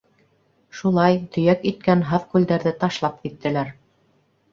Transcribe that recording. Шулай, төйәк иткән һаҙ-күлдәрҙе ташлап киттеләр.